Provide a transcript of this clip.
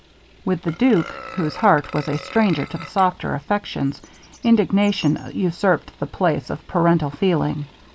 With the duke, whose heart was a stranger to the softer affections, indignation usurped the place of parental feeling.